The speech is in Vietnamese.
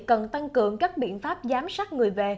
cần tăng cường các biện pháp giám sát người về